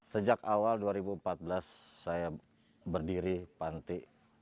sejak awal dua ribu empat belas saya berdiri panti